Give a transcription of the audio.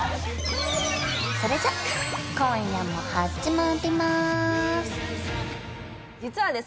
それじゃ今夜も始まります